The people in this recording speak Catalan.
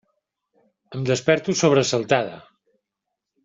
Em desperto sobresaltada.